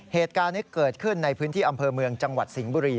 เหตุการณ์นี้เกิดขึ้นในพื้นที่อำเภอเมืองจังหวัดสิงห์บุรี